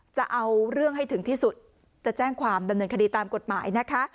จะเอาเรื่องให้ถึงที่สุดจะแจ้งความดำเนินคดีตามกฎหมายนะคะ